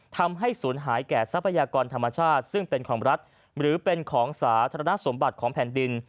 ทำให้ศูนย์หายแก่ทรัพยากรธรรมชาติซึ่งเป็นของรัฐหรือเป็นของสาธารณสมบัติของแผ่นดิน